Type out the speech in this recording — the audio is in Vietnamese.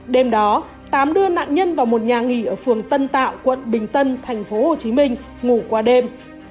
đêm đó tám đưa nạn nhân vào một nhà nghỉ ở phường tân tạo quận bình tân thành phố hồ chí minh ngủ qua đêm